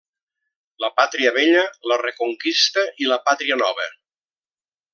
La Pàtria Vella, la Reconquista i la Pàtria Nova.